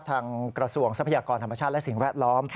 กระทรวงทรัพยากรธรรมชาติและสิ่งแวดล้อม